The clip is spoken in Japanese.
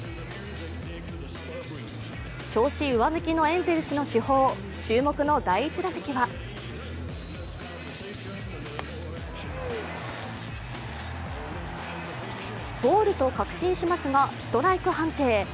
調子上向きのエンゼルスの主砲、注目の第１打席はボールと確信しますが、ストライク判定。